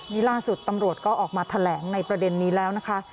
นี่ล่าสุดตำรวจก็ออกมาแถลงในประเด็นนี้แล้วนะคะ